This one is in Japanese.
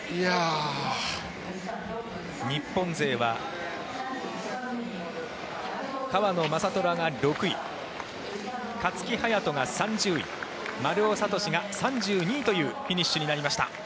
日本勢は川野将虎が６位勝木隼人が３０位丸尾知司が３２位というフィニッシュになりました。